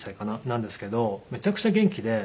なんですけどめちゃくちゃ元気で。